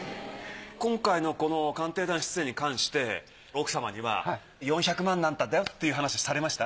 今回のこの「鑑定団」出演に関して奥様には４００万なんだよっていう話されました？